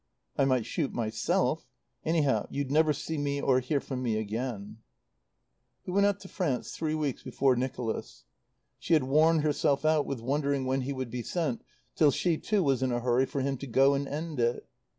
"I might shoot myself. Anyhow, you'd never see me or hear from me again." He went out to France three weeks before Nicholas. She had worn herself out with wondering when he would be sent, till she, too, was in a hurry for him to go and end it.